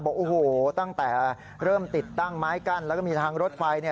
บอกโอ้โหตั้งแต่เริ่มติดตั้งไม้กั้นแล้วก็มีทางรถไฟ